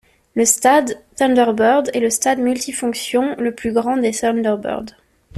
Le Stade Thunderbird est le stade multifonction le plus grand des Thunderbirds.